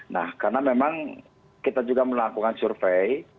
nah karena memang kita juga melakukan survei